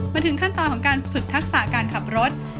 มาถึงขั้นตอนของการฝึกทักษะการขับรถ